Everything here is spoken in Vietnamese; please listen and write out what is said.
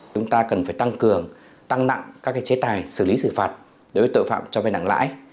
chúng ta cần phải tăng cường tăng nặng các chế tài xử lý xử phạt đối với tội phạm cho vay nặng lãi